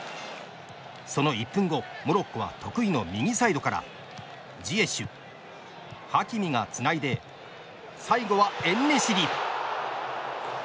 その１分後モロッコは得意の右サイドからジエシュ、ハキミがつないで最後はエンネシリ！